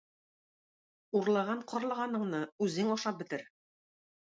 Урлаган карлыганыңны үзең ашап бетер!